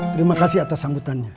terima kasih atas sambutannya